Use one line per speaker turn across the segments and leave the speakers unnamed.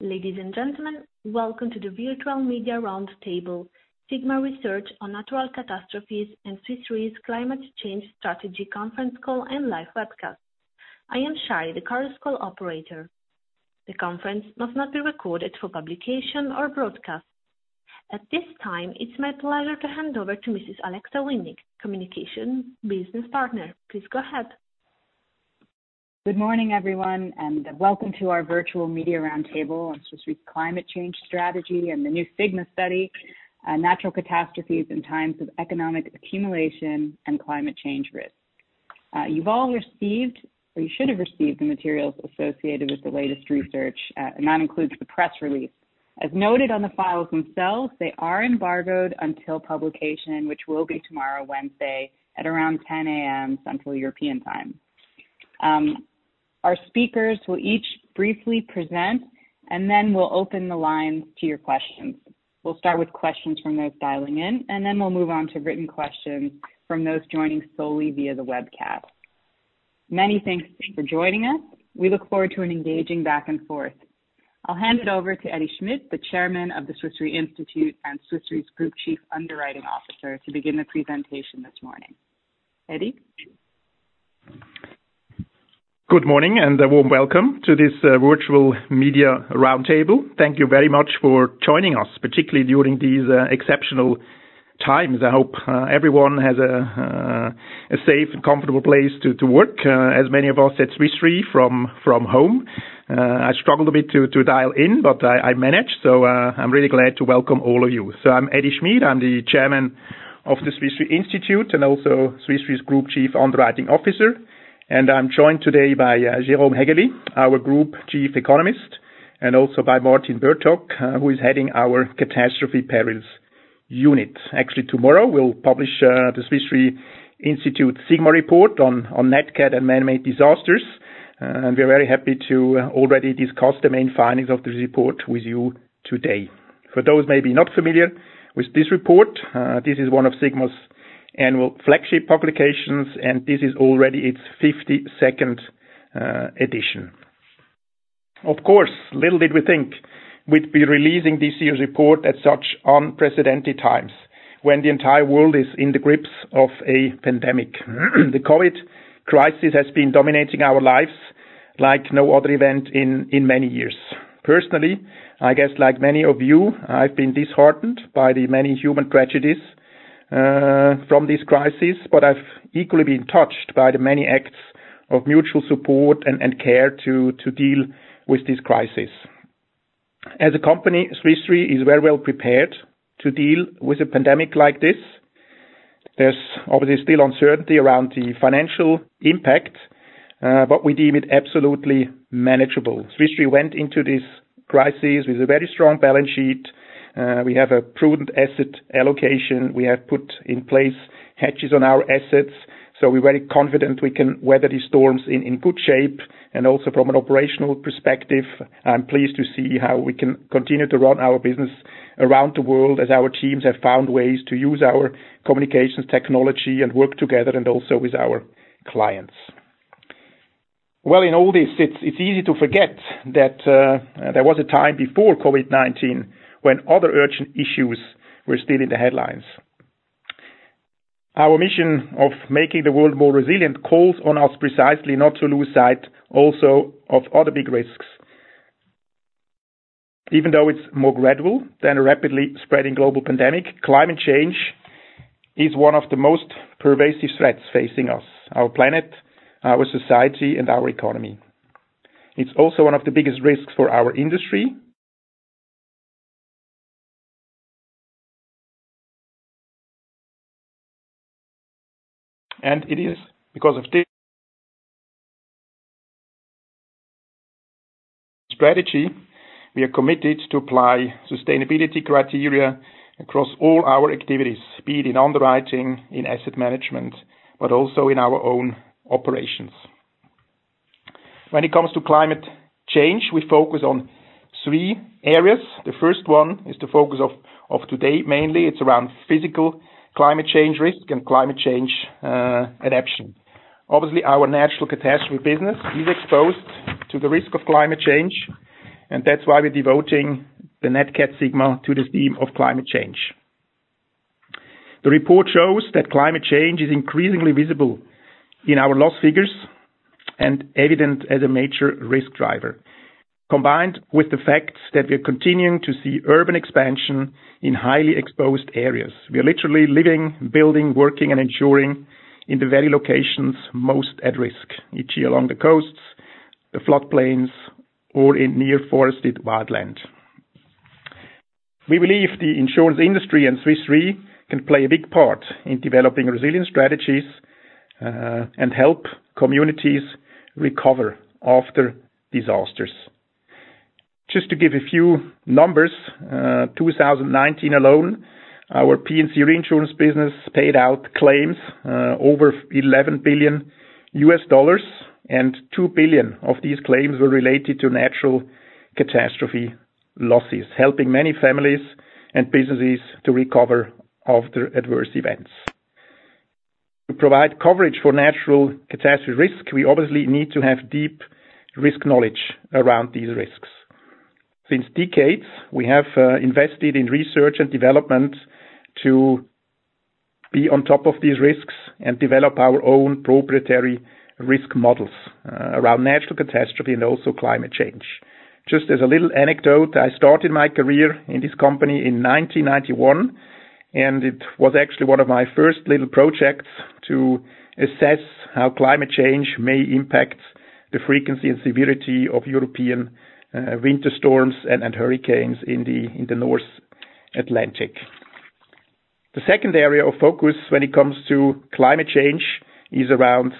Ladies and gentlemen, welcome to the virtual media roundtable, sigma research on natural catastrophes and Swiss Re's climate change strategy conference call and live webcast. I am Shari, the conference call operator. The conference must not be recorded for publication or broadcast. At this time, it's my pleasure to hand over to Mrs. Alexa Winnick, Communication Business Partner. Please go ahead.
Good morning, everyone, and welcome to our virtual media roundtable on Swiss Re's climate change strategy and the new sigma study, Natural Catastrophes in Times of Economic Accumulation and Climate Change Risk. You've all received, or you should have received the materials associated with the latest research, and that includes the press release. As noted on the files themselves, they are embargoed until publication, which will be tomorrow, Wednesday, at around 10:00 A.M. Central European Time. Our speakers will each briefly present, and then we'll open the lines to your questions. We'll start with questions from those dialing in, and then we'll move on to written questions from those joining solely via the webcast. Many thanks for joining us. We look forward to an engaging back and forth. I'll hand it over to Edi Schmid, the Chairman of the Swiss Re Institute and Swiss Re's Group Chief Underwriting Officer, to begin the presentation this morning. Edi?
Good morning, a warm welcome to this virtual media roundtable. Thank you very much for joining us, particularly during these exceptional times. I hope everyone has a safe and comfortable place to work, as many of us at Swiss Re from home. I struggled a bit to dial in, I managed. I'm really glad to welcome all of you. I'm Edi Schmid, I'm the Chairman of the Swiss Re Institute and also Swiss Re's Group Chief Underwriting Officer. I'm joined today by Jérôme Haegeli, our Group Chief Economist, and also by Martin Bertogg, who is heading our Catastrophe Perils unit. Actually, tomorrow we'll publish the Swiss Re Institute sigma report on Nat Cat and man-made disasters, and we're very happy to already discuss the main findings of the report with you today. For those maybe not familiar with this report, this is one of sigma's annual flagship publications, and this is already its 52nd edition. Of course, little did we think we'd be releasing this year's report at such unprecedented times when the entire world is in the grips of a pandemic. The COVID crisis has been dominating our lives like no other event in many years. Personally, I guess like many of you, I've been disheartened by the many human tragedies from this crisis, but I've equally been touched by the many acts of mutual support and care to deal with this crisis. As a company, Swiss Re is very well prepared to deal with a pandemic like this. There's obviously still uncertainty around the financial impact, but we deem it absolutely manageable. Swiss Re went into this crisis with a very strong balance sheet. We have a prudent asset allocation. We have put in place hedges on our assets, so we're very confident we can weather these storms in good shape. Also from an operational perspective, I'm pleased to see how we can continue to run our business around the world as our teams have found ways to use our communications technology and work together, also with our clients. Well, in all this, it's easy to forget that there was a time before COVID-19 when other urgent issues were still in the headlines. Our mission of making the world more resilient calls on us precisely not to lose sight also of other big risks. Even though it's more gradual than a rapidly spreading global pandemic, climate change is one of the most pervasive threats facing us, our planet, our society, and our economy. It's also one of the biggest risks for our industry. It is because of this strategy we are committed to apply sustainability criteria across all our activities, be it in underwriting, in asset management, but also in our own operations. When it comes to climate change, we focus on three areas. The first one is the focus of today, mainly it's around physical climate change risk and climate change adaptation. Obviously, our natural catastrophe business is exposed to the risk of climate change. That's why we're devoting the Nat Cat sigma to this theme of climate change. The report shows that climate change is increasingly visible in our loss figures and evident as a major risk driver, combined with the fact that we are continuing to see urban expansion in highly exposed areas. We are literally living, building, working, and ensuring in the very locations most at risk, be it along the coasts, the floodplains, or in near forested wildland. We believe the insurance industry and Swiss Re can play a big part in developing resilient strategies, and help communities recover after disasters. Just to give a few numbers, 2019 alone, our P&C reinsurance business paid out claims over $11 billion, and $2 billion of these claims were related to natural catastrophe losses, helping many families and businesses to recover after adverse events. To provide coverage for natural catastrophe risk, we obviously need to have deep risk knowledge around these risks. Since decades, we have invested in research and development to be on top of these risks and develop our own proprietary risk models around natural catastrophe and also climate change. Just as a little anecdote, I started my career in this company in 1991, and it was actually one of my first little projects to assess how climate change may impact the frequency and severity of European winter storms and hurricanes in the North Atlantic. The second area of focus when it comes to climate change is around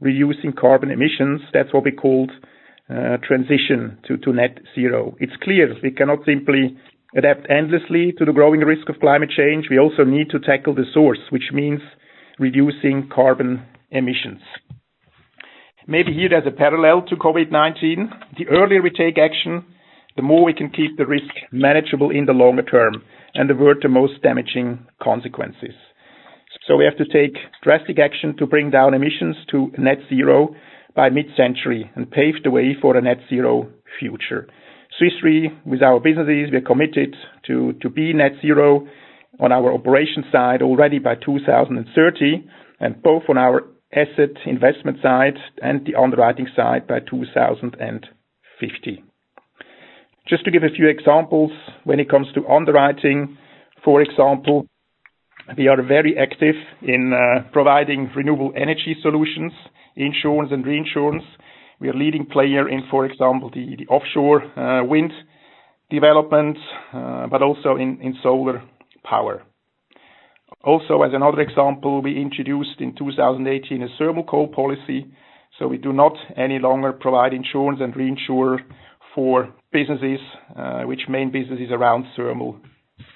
reducing carbon emissions. That's what we called transition to net-zero. It's clear we cannot simply adapt endlessly to the growing risk of climate change. We also need to tackle the source, which means reducing carbon emissions. Maybe here there's a parallel to COVID-19. The earlier we take action, the more we can keep the risk manageable in the longer term and avert the most damaging consequences. We have to take drastic action to bring down emissions to net-zero by mid-century and pave the way for a net-zero future. Swiss Re, with our businesses, we are committed to be net-zero on our operations side already by 2030, and both on our asset investment side and the underwriting side by 2050. Just to give a few examples when it comes to underwriting, for example, we are very active in providing renewable energy solutions, insurance and reinsurance. We are leading player in, for example, the offshore wind development, but also in solar power. Also as another example, we introduced in 2018 a thermal coal policy, so we do not any longer provide insurance and reinsure for businesses which main business is around thermal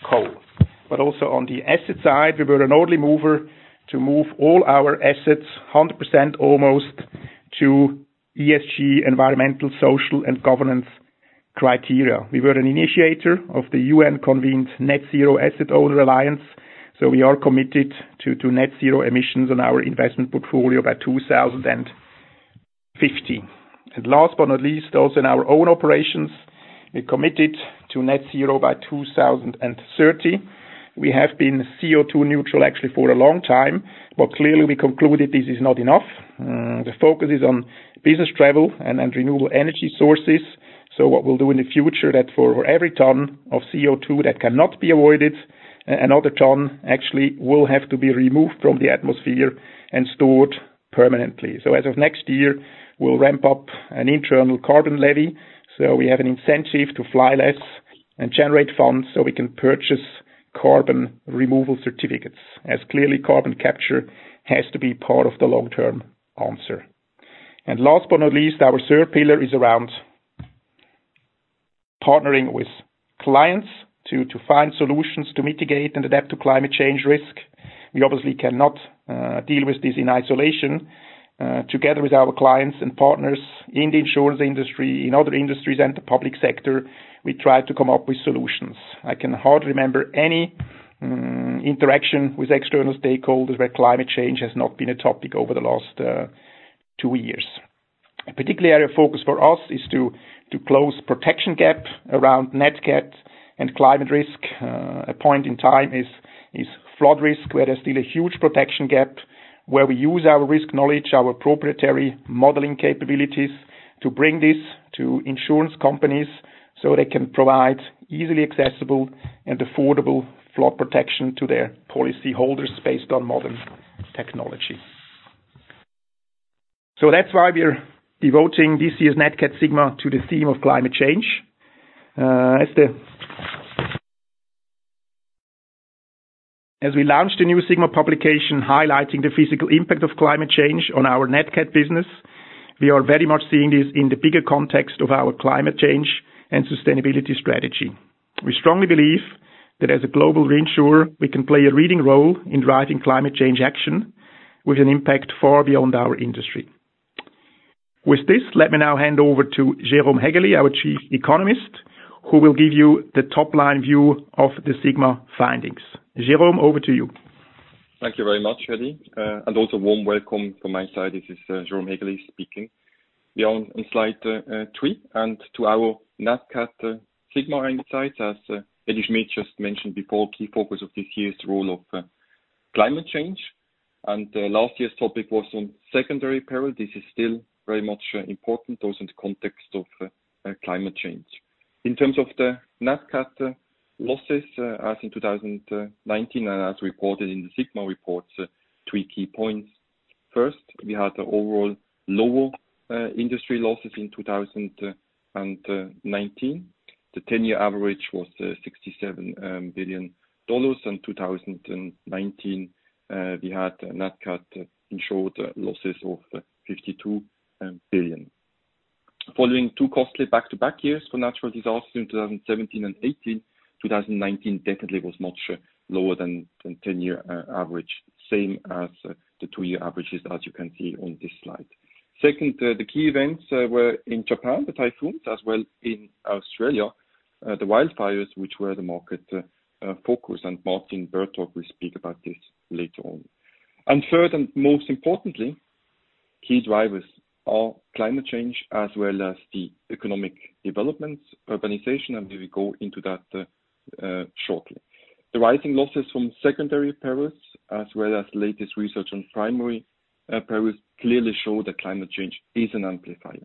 coal. On the asset side, we were an early mover to move all our assets 100% almost to ESG, environmental, social, and governance criteria. We were an initiator of the UN-convened Net-Zero Asset Owner Alliance, so we are committed to net-zero emissions on our investment portfolio by 2050. Last but not least, also in our own operations, we're committed to net-zero by 2030. We have been CO2 neutral actually for a long time, but clearly we concluded this is not enough. The focus is on business travel and renewable energy sources. What we'll do in the future that for every ton of CO2 that cannot be avoided, another ton actually will have to be removed from the atmosphere and stored permanently. As of next year, we'll ramp up an internal carbon levy. We have an incentive to fly less and generate funds so we can purchase carbon removal certificates, as clearly carbon capture has to be part of the long-term answer. Last but not least, our third pillar is around partnering with clients to find solutions to mitigate and adapt to climate change risk. We obviously cannot deal with this in isolation. Together with our clients and partners in the insurance industry, in other industries and the public sector, we try to come up with solutions. I can hardly remember any interaction with external stakeholders where climate change has not been a topic over the last two years. A particular area of focus for us is to close protection gap around Nat Cat and climate risk. A point in time is flood risk, where there's still a huge protection gap, where we use our risk knowledge, our proprietary modeling capabilities to bring this to insurance companies so they can provide easily accessible and affordable flood protection to their policy holders based on modern technology. That's why we're devoting this year's Nat Cat sigma to the theme of climate change. As we launch the new sigma publication highlighting the physical impact of climate change on our Nat Cat business, we are very much seeing this in the bigger context of our climate change and sustainability strategy. We strongly believe that as a global reinsurer, we can play a leading role in driving climate change action with an impact far beyond our industry. With this, let me now hand over to Jérôme Haegeli, our Chief Economist, who will give you the top-line view of the sigma findings. Jérôme, over to you.
Thank you very much, Edi. Also warm welcome from my side. This is Jérôme Haegeli speaking. We are on slide three, and to our Nat Cat sigma insights, as Edi Schmid just mentioned before, key focus of this year is the role of climate change. Last year's topic was on secondary peril. This is still very much important, also in the context of climate change. In terms of the Nat Cat losses as in 2019 and as reported in the sigma reports, three key points. First, we had overall lower industry losses in 2019. The 10-year average was $67 billion. In 2019, we had Nat Cat insured losses of $52 billion. Following two costly back-to-back years for natural disaster in 2017 and 2018, 2019 definitely was much lower than 10-year average, same as the two-year averages as you can see on this slide. Second, the key events were in Japan, the typhoons, as well in Australia. The wildfires, which were the market focus, Martin Bertogg will speak about this later on. Third, and most importantly, key drivers are climate change as well as the economic developments, urbanization, and we will go into that shortly. The rising losses from secondary perils, as well as latest research on primary perils, clearly show that climate change is an amplifier.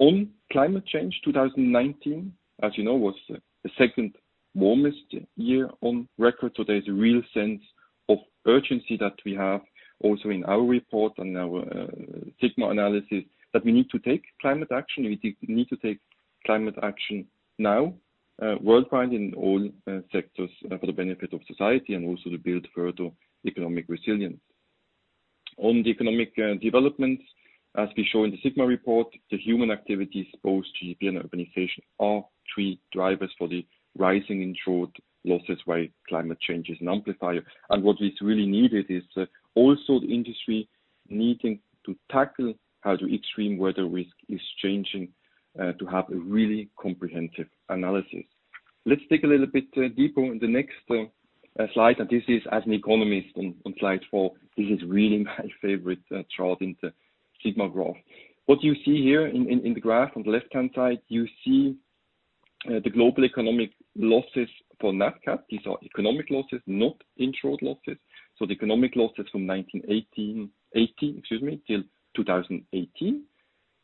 On climate change, 2019, as you know, was the second warmest year on record. There is a real sense of urgency that we have also in our report on our sigma analysis, that we need to take climate action, and we need to take climate action now worldwide in all sectors for the benefit of society and also to build further economic resilience. On the economic developments, as we show in the sigma report, the human activities, both GDP and urbanization, are three drivers for the rising insured losses while climate change is an amplifier. What is really needed is also the industry needing to tackle how the extreme weather risk is changing to have a really comprehensive analysis. Let's dig a little bit deeper in the next slide. This is as an economist on slide four, this is really my favorite chart in the sigma growth. What you see here in the graph on the left-hand side, you see the global economic losses for Nat Cat. These are economic losses, not insured losses. The economic losses from 1980 till 2018.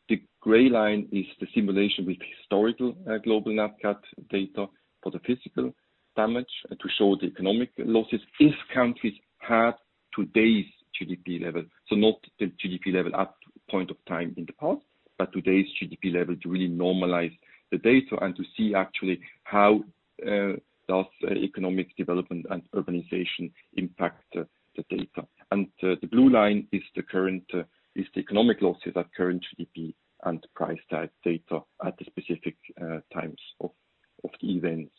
The gray line is the simulation with historical global Nat Cat data for the physical damage to show the economic losses if countries had today's GDP level. Not the GDP level at point of time in the past, but today's GDP level to really normalize the data and to see actually how does economic development and urbanization impact the data. The blue line is the economic losses at current GDP and price type data at the specific times of the events.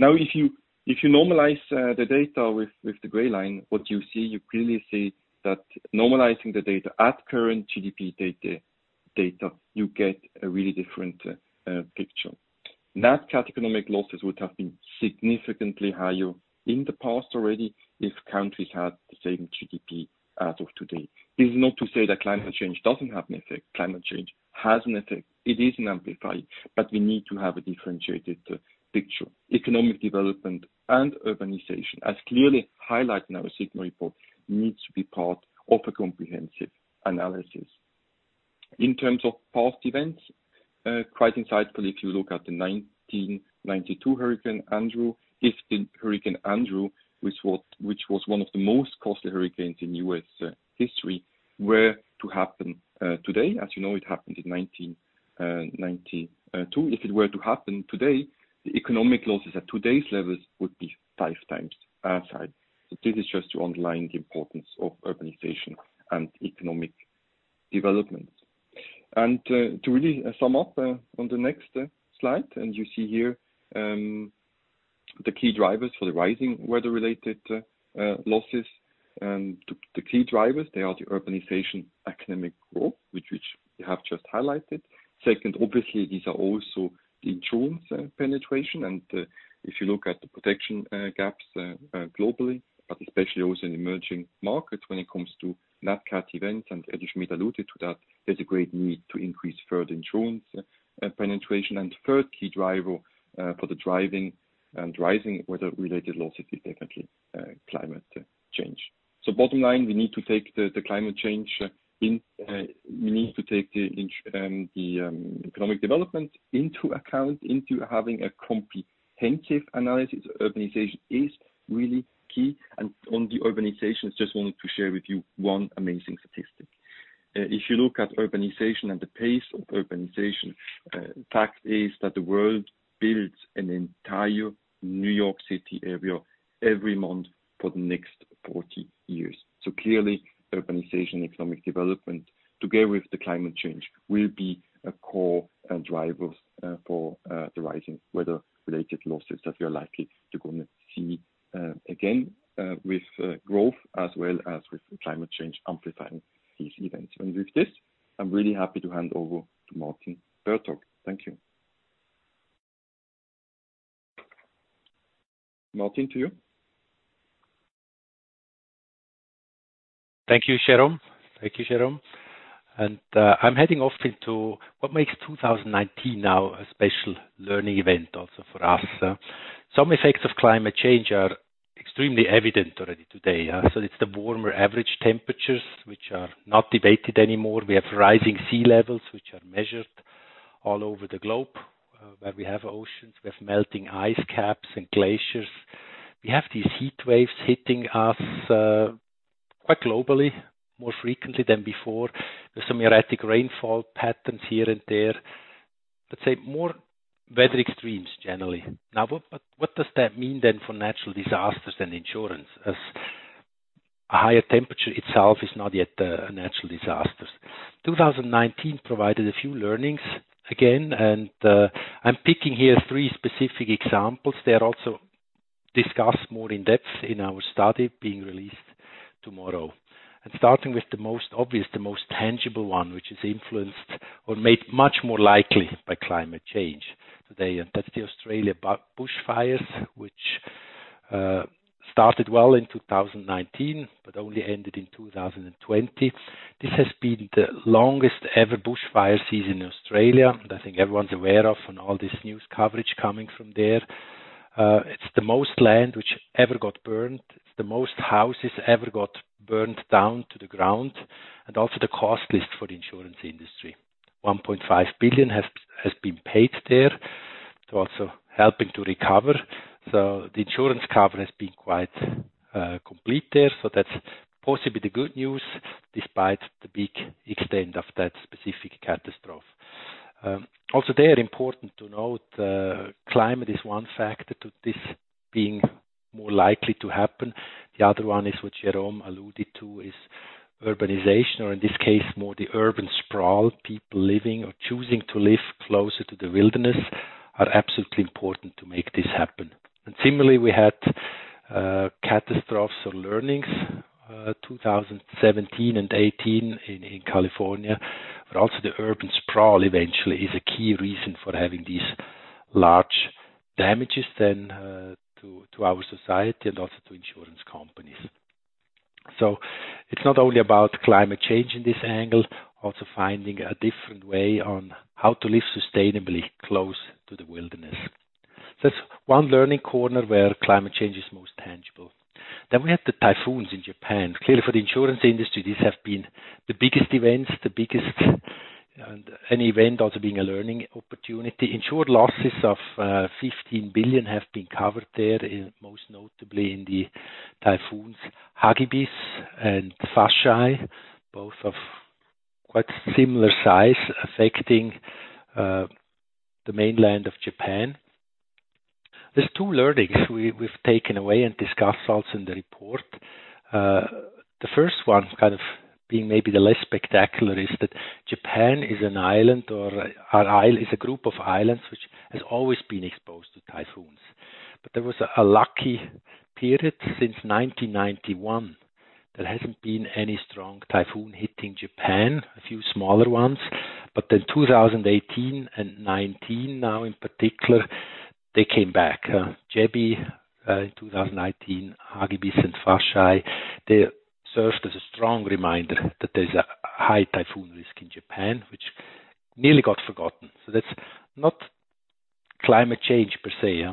If you normalize the data with the gray line, what do you see? You clearly see that normalizing the data at current GDP data, you get a really different picture. Nat Cat economic losses would have been significantly higher in the past already if countries had the same GDP as of today. This is not to say that climate change doesn't have an effect. Climate change has an effect. It is an amplifier, but we need to have a differentiated picture. Economic development and urbanization, as clearly highlighted in our sigma report, needs to be part of a comprehensive analysis. In terms of past events, quite insightful if you look at the 1992 Hurricane Andrew. If Hurricane Andrew, which was one of the most costly hurricanes in U.S. history, were to happen today, as you know, it happened in 1992. If it were to happen today, the economic losses at today's levels would be five times as high. This is just to underline the importance of urbanization and economic development. To really sum up on the next slide, and you see here the key drivers for the rising weather-related losses. The key drivers, they are the urbanization economic growth, which we have just highlighted. Second, obviously, these are also the insurance penetration, and if you look at the protection gaps globally, but especially those in emerging markets when it comes to Nat Cat events, Edi Schmid alluded to that, there's a great need to increase further insurance penetration. Third key driver for the driving and rising weather-related losses is definitely climate change. Bottom line, we need to take the economic development into account into having a comprehensive analysis. Urbanization is really key, and on the urbanization, I just wanted to share with you one amazing statistic. If you look at urbanization and the pace of urbanization, fact is that the world builds an entire New York City area every month for the next 40 years. Clearly, urbanization, economic development, together with the climate change, will be a core driver for the rising weather-related losses that we are likely to see again with growth as well as with climate change amplifying these events. With this, I'm really happy to hand over to Martin Bertogg. Thank you. Martin, to you.
Thank you, Jérôme. I'm heading off into what makes 2019 now a special learning event also for us. Some effects of climate change are extremely evident already today. It's the warmer average temperatures, which are not debated anymore. We have rising sea levels, which are measured all over the globe, where we have oceans. We have melting ice caps and glaciers. We have these heat waves hitting us quite globally, more frequently than before. There's some erratic rainfall patterns here and there. Let's say more weather extremes generally. Now, what does that mean then for natural disasters and insurance, as a higher temperature itself is not yet a natural disaster. 2019 provided a few learnings again, and I'm picking here three specific examples. They are also discussed more in depth in our study being released tomorrow. Starting with the most obvious, the most tangible one, which is influenced or made much more likely by climate change today, that's the Australia bushfires, which started well in 2019 but only ended in 2020. This has been the longest-ever bushfire season in Australia, I think everyone's aware of and all this news coverage coming from there. It's the most land which ever got burned. It's the most houses ever got burned down to the ground, also the costliest for the insurance industry. $1.5 billion has been paid there to also helping to recover. The insurance cover has been quite complete there, that's possibly the good news despite the big extent of that specific catastrophe. There important to note, climate is one factor to this being more likely to happen. The other one is what Jérôme alluded to is urbanization, or in this case more the urban sprawl, people living or choosing to live closer to the wilderness are absolutely important to make this happen. Similarly, we had catastrophes or learnings 2017 and 2018 in California. Also, the urban sprawl eventually is a key reason for having these large damages then to our society and also to insurance companies. It's not only about climate change in this angle, also finding a different way on how to live sustainably close to the wilderness. That's one learning corner where climate change is most tangible. We have the typhoons in Japan. Clearly, for the insurance industry, these have been the biggest events, and an event also being a learning opportunity. Insured losses of $15 billion have been covered there, most notably in the typhoons Hagibis and Faxai, both of quite similar size affecting the mainland of Japan. There's two learnings we've taken away and discussed also in the report. The first one kind of being maybe the less spectacular is that Japan is an island, or is a group of islands, which has always been exposed to typhoons. There was a lucky period since 1991. There hasn't been any strong typhoon hitting Japan. A few smaller ones, but then 2018 and 2019 now in particular, they came back. Jebi in 2018, Hagibis and Faxai, they served as a strong reminder that there's a high typhoon risk in Japan, which nearly got forgotten. That's not climate change per se.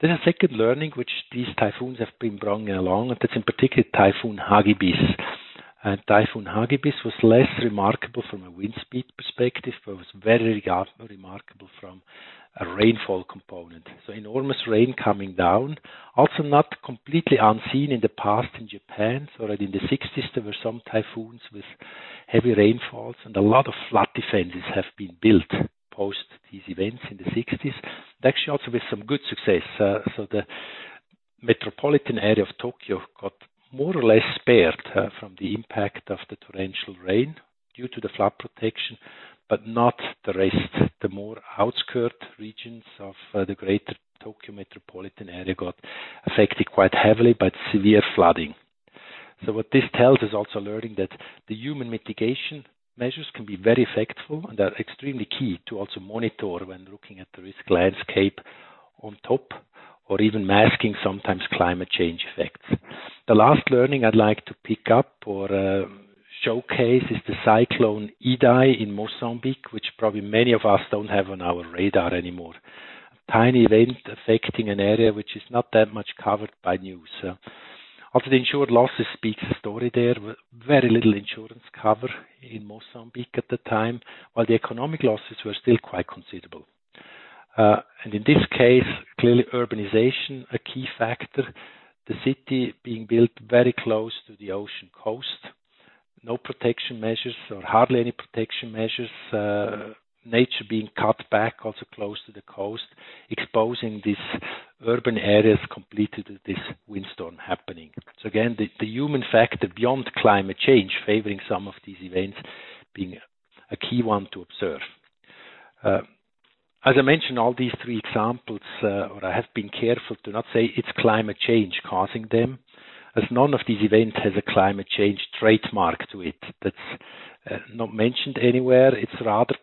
There's a second learning which these typhoons have been bringing along, and that's in particular Typhoon Hagibis. Typhoon Hagibis was less remarkable from a wind speed perspective, but was very remarkable from a rainfall component. Enormous rain coming down. Also not completely unseen in the past in Japan. Right in the '60s, there were some typhoons with heavy rainfalls, and a lot of flood defenses have been built post these events in the '60s. Actually also with some good success. The metropolitan area of Tokyo got more or less spared from the impact of the torrential rain due to the flood protection, but not the rest. The more outskirt regions of the greater Tokyo metropolitan area got affected quite heavily by severe flooding. What this tells is also learning that the human mitigation measures can be very effective and are extremely key to also monitor when looking at the risk landscape on top or even masking sometimes climate change effects. The last learning I'd like to pick up or showcase is the Cyclone Idai in Mozambique, which probably many of us don't have on our radar anymore. A tiny event affecting an area which is not that much covered by news. The insured losses speak a story there with very little insurance cover in Mozambique at the time, while the economic losses were still quite considerable. In this case, clearly urbanization a key factor, the city being built very close to the ocean coast, no protection measures or hardly any protection measures, nature being cut back also close to the coast, exposing these urban areas completely to this windstorm happening. Again, the human factor beyond climate change favoring some of these events being a key one to observe. As I mentioned, all these three examples, I have been careful to not say it's climate change causing them, as none of these events has a climate change trademark to it. That's not mentioned anywhere.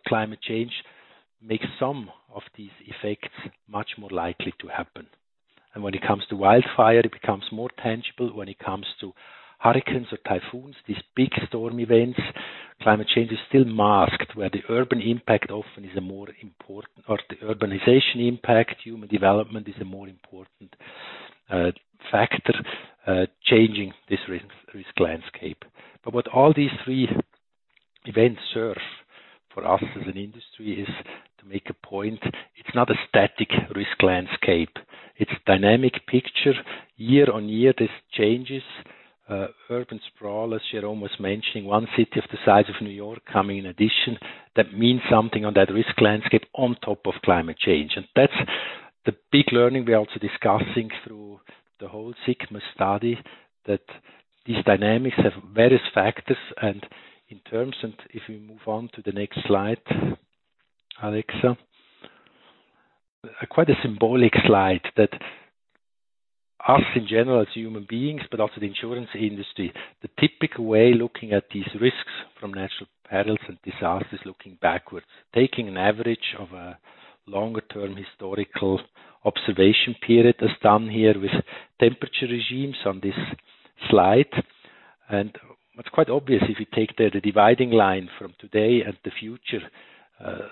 Climate change makes some of these effects much more likely to happen. When it comes to wildfire, it becomes more tangible when it comes to hurricanes or typhoons, these big storm events, climate change is still masked where the urban impact often is a more important or the urbanization impact human development is a more important factor changing this risk landscape. What all these three events serve for us as an industry is to make a point. It's not a static risk landscape. It's a dynamic picture. Year-on-year, this changes. Urban sprawl, as Jérôme was mentioning, one city of the size of New York coming in addition, that means something on that risk landscape on top of climate change. That's the big learning we are also discussing through the whole sigma study, that these dynamics have various factors and in terms, if we move on to the next slide, Alexa. Quite a symbolic slide that us in general as human beings, but also the insurance industry, the typical way looking at these risks from natural perils and disasters, looking backwards, taking an average of a longer-term historical observation period as done here with temperature regimes on this slide. It's quite obvious if you take there the dividing line from today and the future, that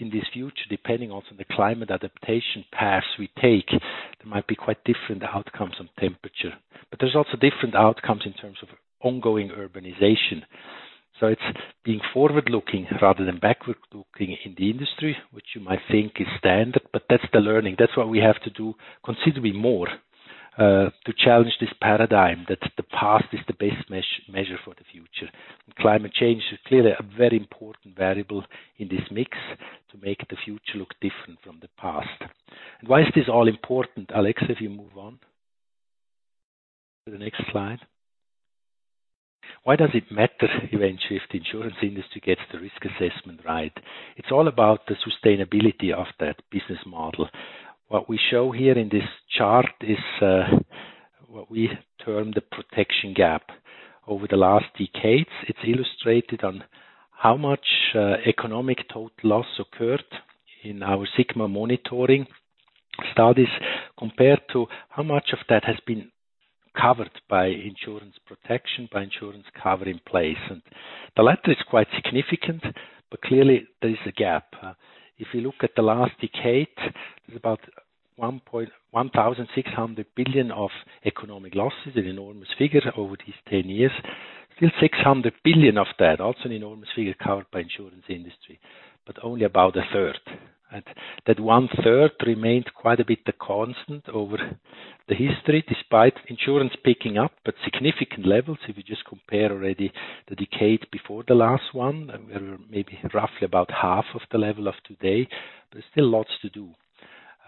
in this future, depending on the climate adaptation paths we take, there might be quite different outcomes on temperature. There's also different outcomes in terms of ongoing urbanization. It's being forward-looking rather than backward-looking in the industry, which you might think is standard, but that's the learning. That's why we have to do considerably more to challenge this paradigm that the past is the best measure for the future. Climate change is clearly a very important variable in this mix to make the future look different from the past. Why is this all important? Alexa, if you move on to the next slide. Why does it matter if eventually if the insurance industry gets the risk assessment right? It's all about the sustainability of that business model. What we show here in this chart is what we term the protection gap. Over the last decades, it's illustrated on how much economic total loss occurred in our sigma monitoring studies compared to how much of that has been covered by insurance protection, by insurance cover in place. The latter is quite significant, but clearly there is a gap. If you look at the last decade, there's about $1,600 billion of economic losses, an enormous figure over these 10 years. Still $600 billion of that, also an enormous figure covered by insurance industry, but only about a third. That one third remained quite a bit the constant over the history, despite insurance picking up at significant levels. If you just compare already the decade before the last one, we were maybe roughly about half of the level of today. There's still lots to do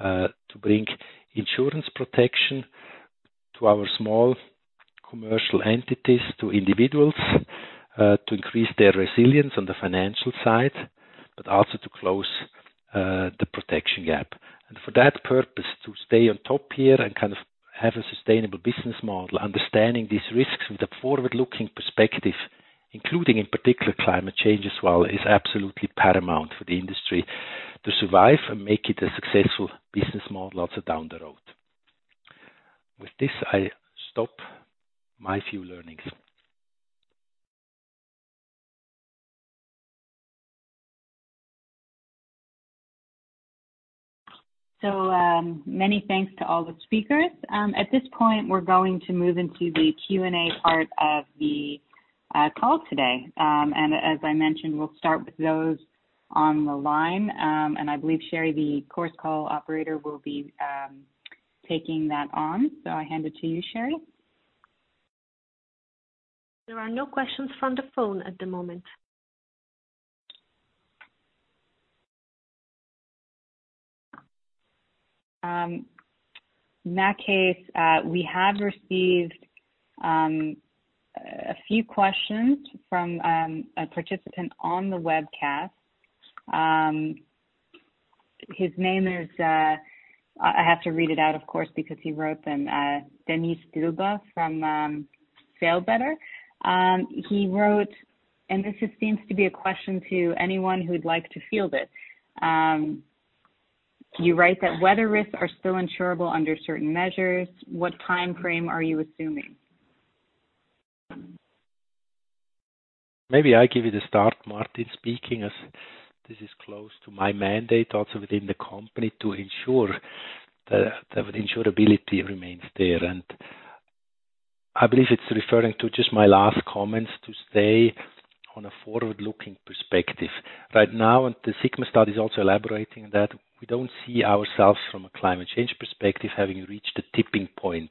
to bring insurance protection to our small commercial entities, to individuals to increase their resilience on the financial side, but also to close the protection gap. For that purpose, to stay on top here and have a sustainable business model, understanding these risks from the forward-looking perspective, including in particular climate change as well, is absolutely paramount for the industry to survive and make it a successful business model also down the road. With this, I stop my few learnings.
Many thanks to all the speakers. At this point, we're going to move into the Q&A part of the call today. As I mentioned, we'll start with those on the line. I believe Shari, the conference call operator, will be taking that on. I hand it to you, Shari.
There are no questions from the phone at the moment.
In that case, we have received a few questions from a participant on the webcast. His name is, I have to read it out, of course, because he wrote them, Dennis Dylba from Berenberg. He wrote, This just seems to be a question to anyone who'd like to field it. You write that weather risks are still insurable under certain measures. What time frame are you assuming?
Maybe I give you the start, Martin speaking, as this is close to my mandate also within the company to ensure that insurability remains there. I believe it's referring to just my last comments to stay on a forward-looking perspective. Right now, the sigma is also elaborating that we don't see ourselves from a climate change perspective having reached a tipping point.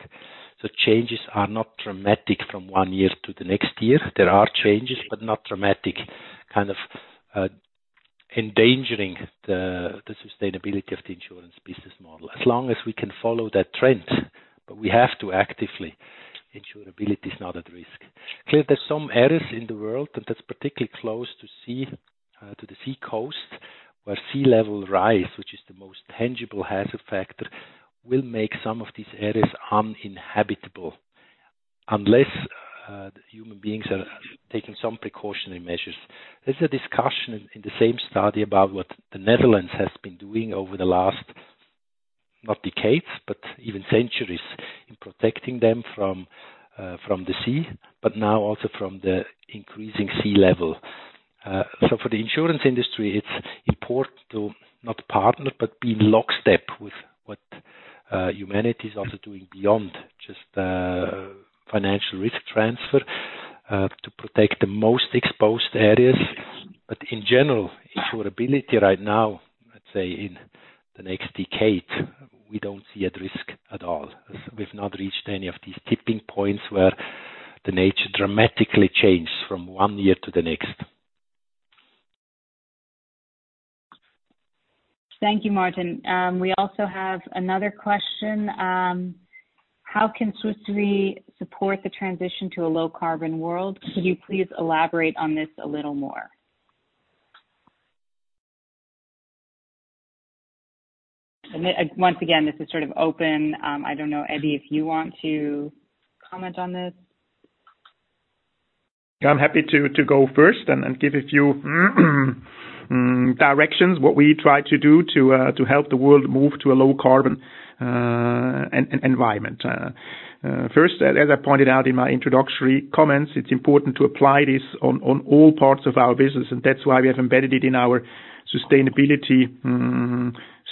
Changes are not dramatic from one year to the next year. There are changes, not dramatic kind of endangering the sustainability of the insurance business model. As long as we can follow that trend, we have to actively, insurability is not at risk. Clearly, there's some areas in the world that's particularly close to the sea coast where sea level rise, which is the most tangible hazard factor, will make some of these areas uninhabitable unless human beings are taking some precautionary measures. There's a discussion in the same study about what the Netherlands has been doing over the last, not decades, but even centuries in protecting them from the sea, but now also from the increasing sea level. For the insurance industry, it's important to not partner but be in lockstep with what humanity is also doing beyond just financial risk transfer to protect the most exposed areas. In general, insurability right now, let's say in the next decade, we don't see at risk at all. We've not reached any of these tipping points where the nature dramatically changed from one year to the next.
Thank you, Martin. We also have another question. How can Swiss Re support the transition to a low-carbon world? Could you please elaborate on this a little more? Once again, this is sort of open. I don't know, Edi, if you want to comment on this.
I'm happy to go first and give a few directions, what we try to do to help the world move to a low-carbon environment. First, as I pointed out in my introductory comments, it's important to apply this on all parts of our business, and that's why we have embedded it in our sustainability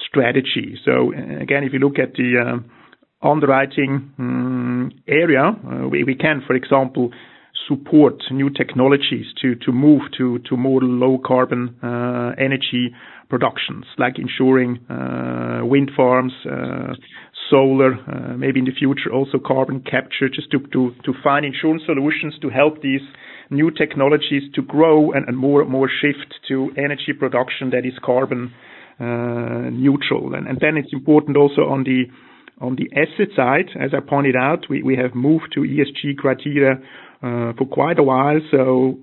strategy. Again, if you look at the underwriting area, we can, for example, support new technologies to move to more low-carbon energy productions, like ensuring wind farms, solar, maybe in the future, also carbon capture, just to find insurance solutions to help these new technologies to grow and more shift to energy production that is carbon neutral. Then it's important also on the asset side, as I pointed out, we have moved to ESG criteria for quite a while.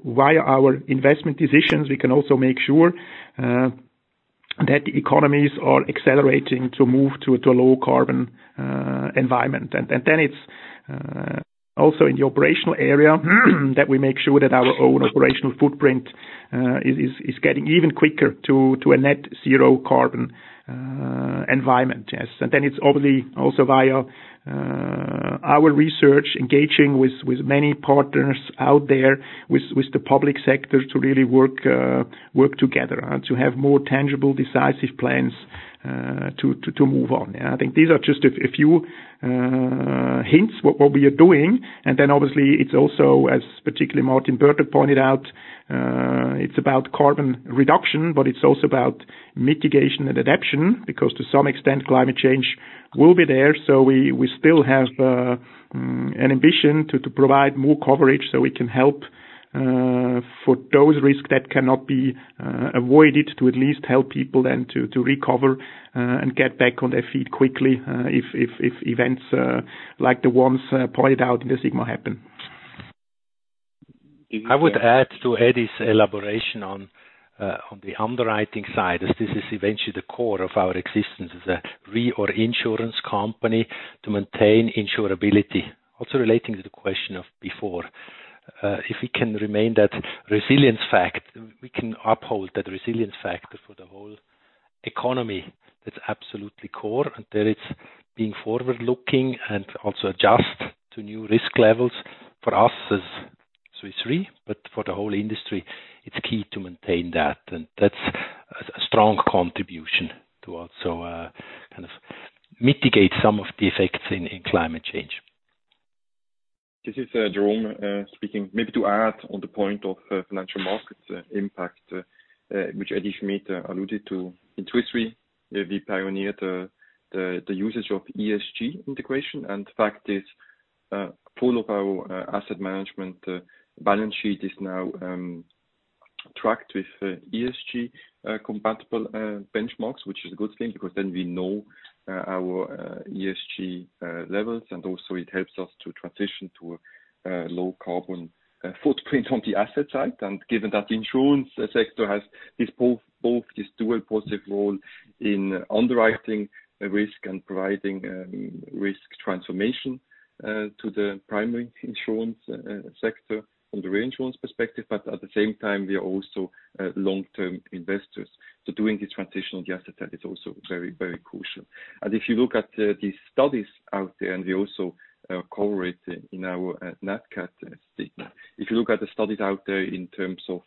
Via our investment decisions, we can also make sure that the economies are accelerating to move to a low-carbon environment. Then it's also in the operational area that we make sure that our own operational footprint is getting even quicker to a net-zero carbon environment. Yes. Then it's obviously also via our research, engaging with many partners out there, with the public sector to really work together to have more tangible, decisive plans to move on. I think these are just a few hints what we are doing. Then obviously it's also, as particularly Martin Bertogg pointed out, it's about carbon reduction, but it's also about mitigation and adaption, because to some extent, climate change will be there. We still have an ambition to provide more coverage so we can help for those risks that cannot be avoided, to at least help people then to recover and get back on their feet quickly, if events like the ones pointed out in the Sigma happen.
I would add to Edi's elaboration on the underwriting side, as this is eventually the core of our existence as a re or insurance company to maintain insurability. Also relating to the question of before, if we can remain that resilience factor, we can uphold that resilience factor for the whole economy, that's absolutely core. There it's being forward-looking and also adjust to new risk levels for us as Swiss Re, but for the whole industry, it's key to maintain that. That's a strong contribution to also kind of mitigate some of the effects in climate change.
This is Jérôme speaking. Maybe to add on the point of financial markets impact, which Edi Schmid alluded to. In Swiss Re, we pioneer the usage of ESG integration, and the fact is, full of our asset management balance sheet is now tracked with ESG-compatible benchmarks, which is a good thing because then we know our ESG levels, and also it helps us to transition to a low carbon footprint on the asset side. Given that insurance sector has both this dual positive role in underwriting risk and providing risk transformation to the primary insurance sector from the reinsurance perspective. At the same time, we are also long-term investors. Doing this transition on the asset side is also very crucial. If you look at the studies out there, and we also cover it in our Nat Cat statement, if you look at the studies out there in terms of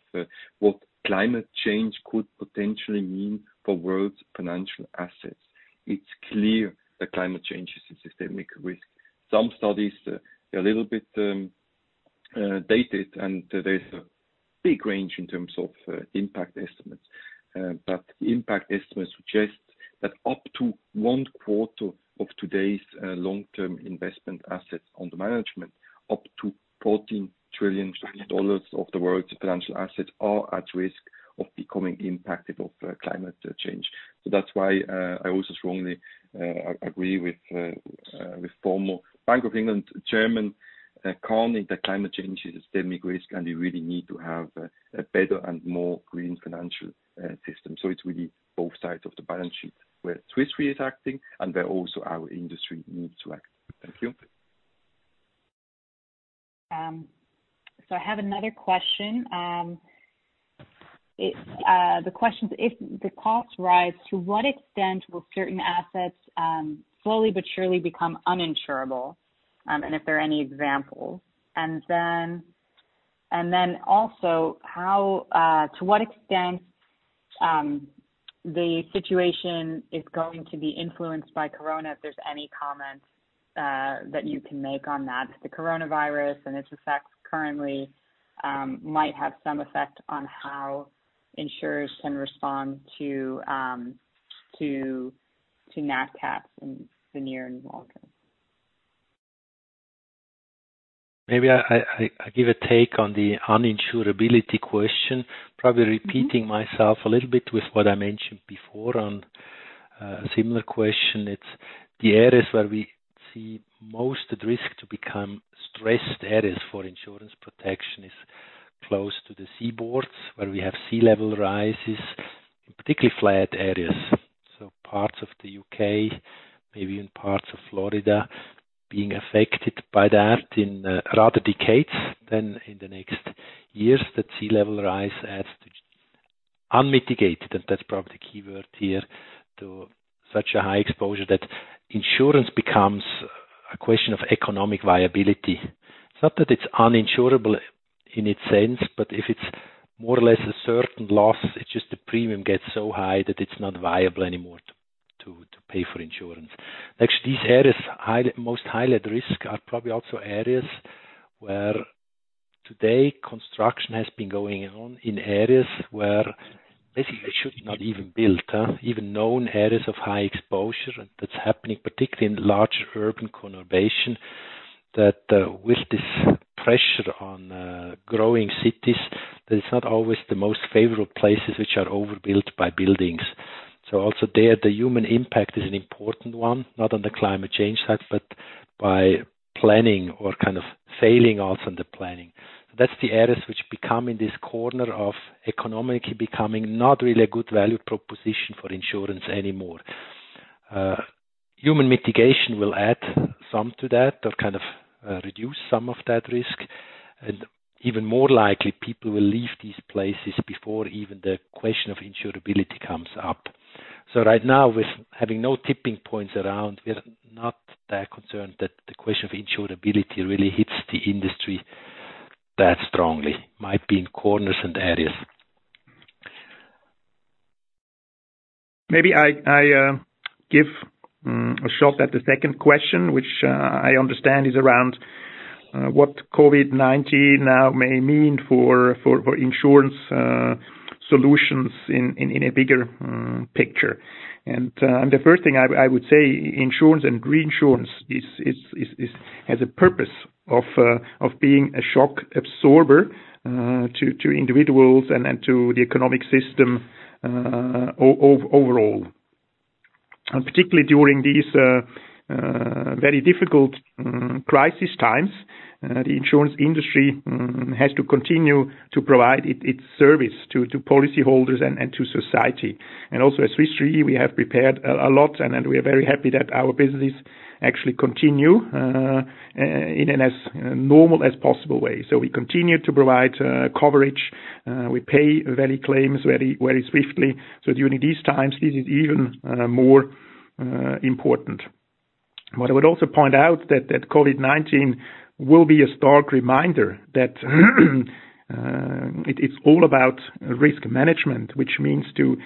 what climate change could potentially mean for world's financial assets, it's clear that climate change is a systemic risk. Some studies are a little bit dated, and there's a big range in terms of impact estimates. Impact estimates suggest that up to one quarter of today's long-term investment assets under management, up to $14 trillion of the world's financial assets are at risk of becoming impacted of climate change. That's why I also strongly agree with former Bank of England chairman calling that climate change is a systemic risk, and we really need to have a better and more green financial system. It's really both sides of the balance sheet where Swiss Re is acting and where also our industry needs to act. Thank you.
I have another question. The question is, if the costs rise, to what extent will certain assets slowly but surely become uninsurable, and if there are any examples? Also, to what extent the situation is going to be influenced by coronavirus, if there's any comments that you can make on that. If the coronavirus and its effects currently might have some effect on how insurers can respond to Nat cats in the near and long term.
Maybe I give a take on the uninsurability question, probably repeating myself a little bit with what I mentioned before on a similar question. It's the areas where we see most at risk to become stressed areas for insurance protection is close to the seaboards, where we have sea level rises, in particularly flat areas. Parts of the U.K., maybe in parts of Florida, being affected by that in rather decades than in the next years, that sea level rise has to unmitigated, and that's probably the key word here, to such a high exposure that insurance becomes a question of economic viability. It's not that it's uninsurable in its sense, but if it's more or less a certain loss, it's just the premium gets so high that it's not viable anymore to pay for insurance. Actually, these areas most highly at risk are probably also areas where today construction has been going on in areas where basically they should not even built, even known areas of high exposure, and that's happening particularly in large urban conurbation, that with this pressure on growing cities, that it's not always the most favorable places which are overbuilt by buildings. Also there, the human impact is an important one, not on the climate change side, but by planning or kind of failing also on the planning. That's the areas which become in this corner of economically becoming not really a good value proposition for insurance anymore. Human mitigation will add some to that of kind of reduce some of that risk, and even more likely, people will leave these places before even the question of insurability comes up. Right now, with having no tipping points around, we're not that concerned that the question of insurability really hits the industry that strongly. Might be in corners and areas.
Maybe I give a shot at the second question, which I understand is around what COVID-19 now may mean for insurance solutions in a bigger picture. The first thing I would say, insurance and reinsurance has a purpose of being a shock absorber to individuals and to the economic system overall. Particularly during these very difficult crisis times, the insurance industry has to continue to provide its service to policyholders and to society. Also at Swiss Re, we have prepared a lot, and we are very happy that our business actually continue in a normal as possible way. We continue to provide coverage. We pay valid claims very swiftly. During these times, this is even more important. What I would also point out that COVID-19 will be a stark reminder that it is all about risk management, which means to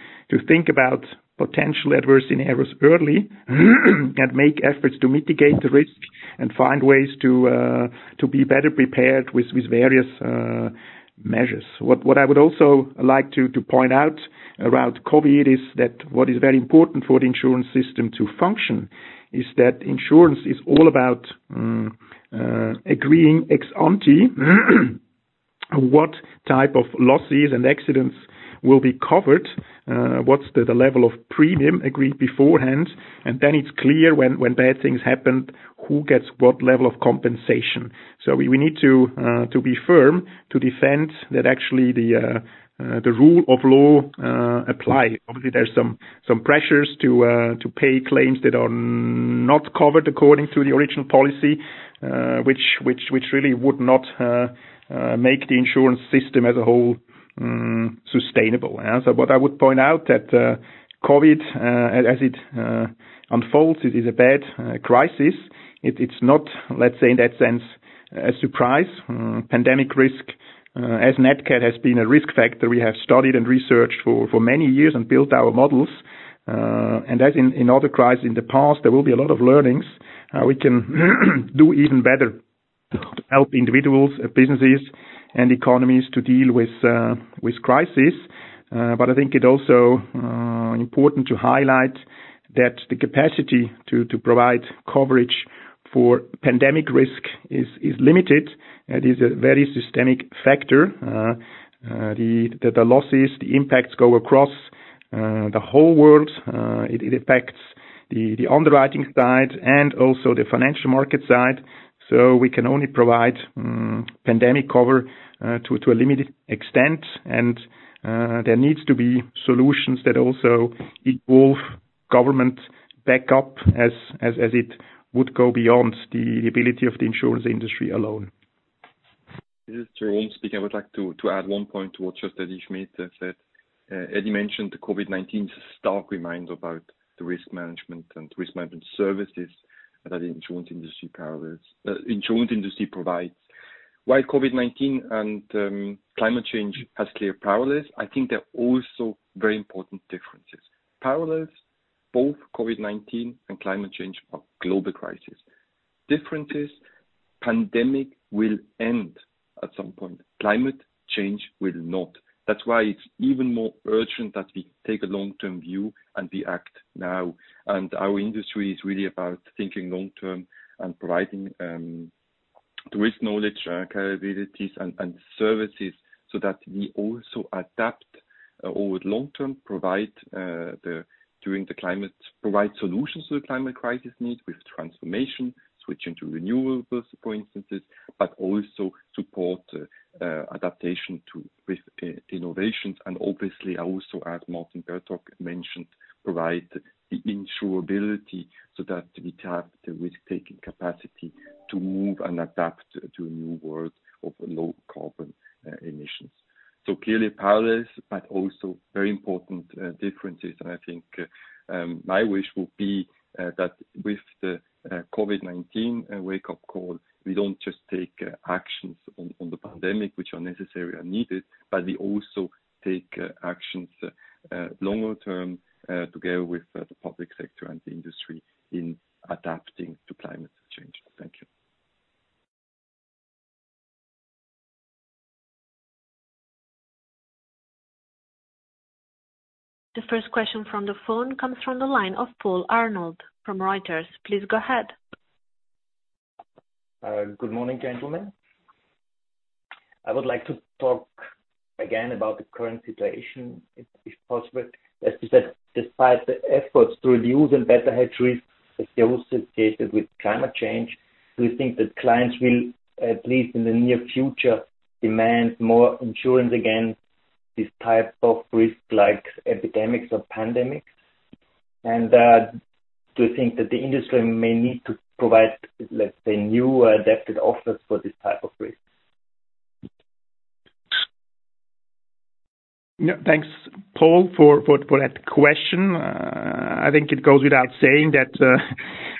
think about potential adversity errors early and make efforts to mitigate the risk and find ways to be better prepared with various measures. What I would also like to point out around COVID is that what is very important for the insurance system to function is that insurance is all about agreeing ex-ante what type of losses and accidents will be covered, what's the level of premium agreed beforehand, and then it's clear when bad things happen, who gets what level of compensation. We need to be firm to defend that actually the rule of law apply. Obviously, there's some pressures to pay claims that are not covered according to the original policy, which really would not make the insurance system as a whole sustainable. What I would point out that COVID, as it unfolds, it is a bad crisis. It's not, let's say, in that sense, a surprise pandemic risk. Nat Cat has been a risk factor, we have studied and researched for many years and built our models. As in other crisis in the past, there will be a lot of learnings we can do even better to help individuals, businesses, and economies to deal with crisis. I think it also important to highlight that the capacity to provide coverage for pandemic risk is limited. It is a very systemic factor. The losses, the impacts go across the whole world. It affects the underwriting side and also the financial market side. We can only provide pandemic cover to a limited extent, and there needs to be solutions that also involve government backup as it would go beyond the ability of the insurance industry alone.
This is Jérôme speaking. I would like to add one point to what just Edi Schmid said. Eddie mentioned the COVID-19 is a stark reminder about the risk management and risk management services that the insurance industry provides. While COVID-19 and climate change has clear parallels, I think there are also very important differences. Parallels, both COVID-19 and climate change are global crisis. Difference is pandemic will end. At some point. Climate change will not. That's why it's even more urgent that we take a long-term view, and we act now. Our industry is really about thinking long-term and providing risk knowledge, capabilities, and services so that we also adapt over the long-term, provide solutions to the climate crisis needs with transformation, switching to renewables, for instance, but also support adaptation with innovations. Obviously, also, as Martin Bertogg mentioned, provide the insurability so that we have the risk-taking capacity to move and adapt to a new world of low carbon emissions. Clearly parallels, but also very important differences. I think my wish would be that with the COVID-19 wake-up call, we don't just take actions on the pandemic, which are necessary and needed, but we also take actions longer-term, together with the public sector and the industry in adapting to climate change. Thank you.
The first question from the phone comes from the line of Paul Arnold from Reuters. Please go ahead.
Good morning, gentlemen. I would like to talk again about the current situation, if possible. As you said, despite the efforts to reduce and better hedge risks associated with climate change, do you think that clients will, at least in the near future, demand more insurance against these types of risks, like epidemics or pandemics? Do you think that the industry may need to provide, let's say, new adapted offers for this type of risk?
Thanks, Paul, for that question. I think it goes without saying that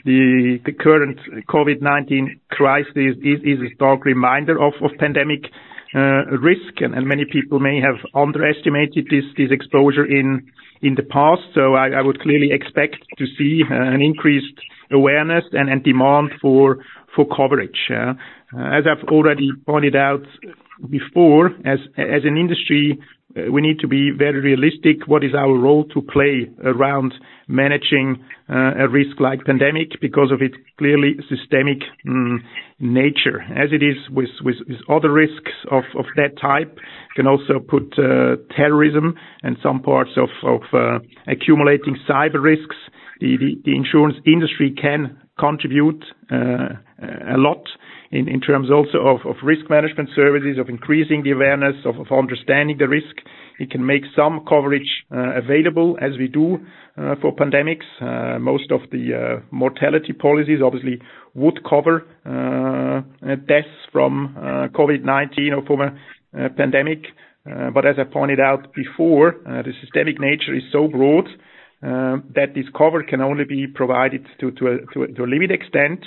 the current COVID-19 crisis is a stark reminder of pandemic risk. Many people may have underestimated this exposure in the past, so I would clearly expect to see an increased awareness and demand for coverage. As I've already pointed out before, as an industry, we need to be very realistic what is our role to play around managing a risk like pandemic because of its clearly systemic nature. As it is with other risks of that type, can also put terrorism and some parts of accumulating cyber risks. The insurance industry can contribute a lot in terms also of risk management services, of increasing the awareness, of understanding the risk. It can make some coverage available, as we do for pandemics. Most of the mortality policies obviously would cover deaths from COVID-19 or from a pandemic. As I pointed out before, the systemic nature is so broad that this cover can only be provided to a limited extent,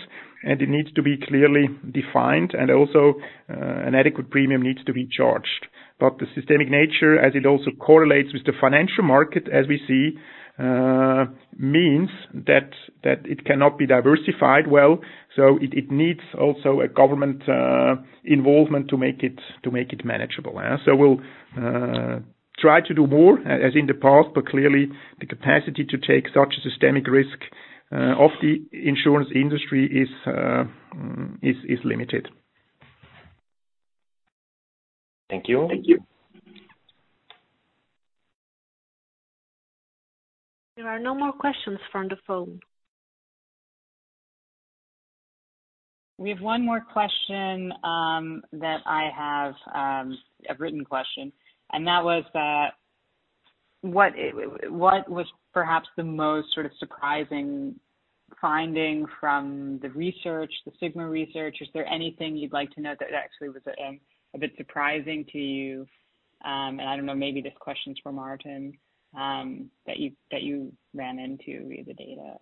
and it needs to be clearly defined. Also, an adequate premium needs to be charged. The systemic nature, as it also correlates with the financial market, as we see, means that it cannot be diversified well, so it needs also a government involvement to make it manageable. We'll try to do more, as in the past, but clearly the capacity to take such a systemic risk of the insurance industry is limited.
Thank you.
Thank you.
There are no more questions from the phone.
We have one more question that I have, a written question, and that was what was perhaps the most sort of surprising finding from the research, the sigma research? Is there anything you'd like to note that actually was a bit surprising to you, and I don't know, maybe this question's for Martin, that you ran into via the data?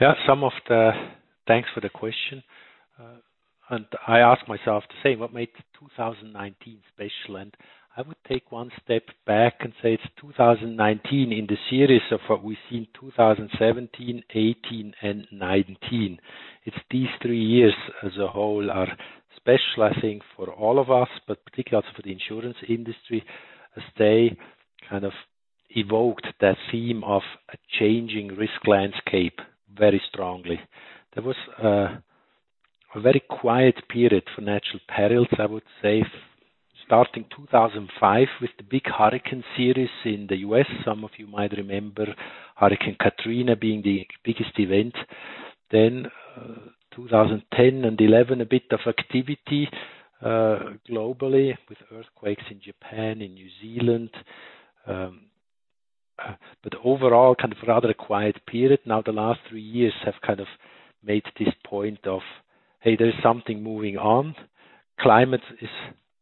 Yeah. Thanks for the question. I asked myself the same, what made 2019 special? I would take one step back and say it's 2019 in the series of what we've seen 2017, 2018, and 2019. These three years as a whole are special, I think, for all of us, but particularly also for the insurance industry, as they kind of evoked that theme of a changing risk landscape very strongly. There was a very quiet period for natural perils, I would say, starting 2005 with the big hurricane series in the U.S. Some of you might remember Hurricane Katrina being the biggest event. 2010 and 2011, a bit of activity globally with earthquakes in Japan, in New Zealand. Overall, kind of a rather quiet period. Now, the last three years have kind of made this point of, hey, there is something moving on. Climate is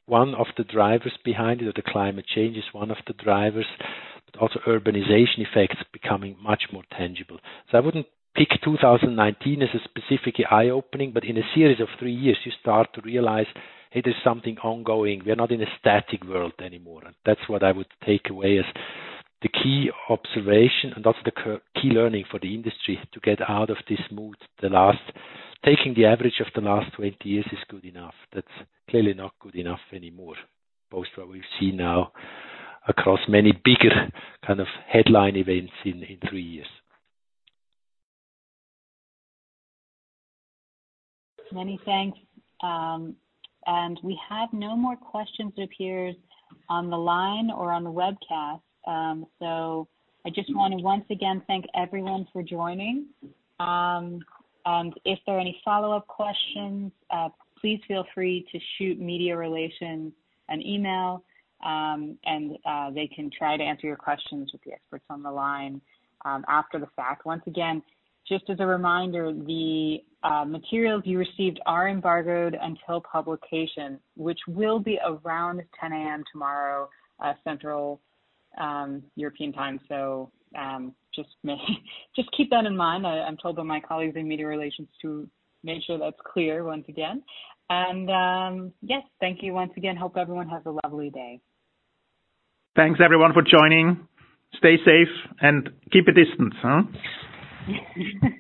one of the drivers behind it, or the climate change is one of the drivers, but also urbanization effects becoming much more tangible. I wouldn't pick 2019 as a specifically eye-opening, but in a series of three years, you start to realize, hey, there's something ongoing. We're not in a static world anymore. That's what I would take away as the key observation, and that's the key learning for the industry to get out of this mood. Taking the average of the last 20 years is good enough. That's clearly not good enough anymore, most what we've seen now across many bigger kind of headline events in three years.
Many thanks. We have no more questions, it appears, on the line or on the webcast. I just want to once again thank everyone for joining. If there are any follow-up questions, please feel free to shoot media relations an email, and they can try to answer your questions with the experts on the line after the fact. Once again, just as a reminder, the materials you received are embargoed until publication, which will be around 10:00 A.M. tomorrow Central European Time. Just keep that in mind. I'm told by my colleagues in media relations to make sure that's clear once again. Yes, thank you once again. Hope everyone has a lovely day.
Thanks everyone for joining. Stay safe and keep a distance, huh?